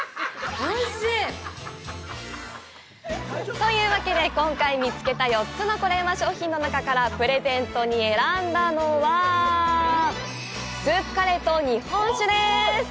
というわけで、今回見つけた４つのコレうま商品の中からプレゼントに選んだのはスープカレーと日本酒です！